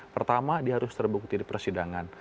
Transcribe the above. pertama dia harus terbukti di persidangan